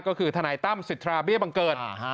ก็คือทนายตั้มสิทธาเบี้ยบังเกิด